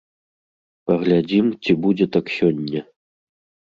Паглядзім, ці будзе так сёння.